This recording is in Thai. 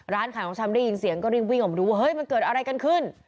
ร้านขายของชำได้ยินเสียงก็รีบวิ่งออกมาดูว่าเฮ้ยมันเกิดอะไรกันขึ้น